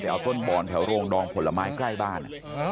เอาต้นบ่อนแถวโรงดองผลไม้ใกล้บ้าน